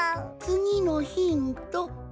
つぎのヒント。